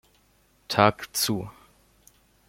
Tag zu.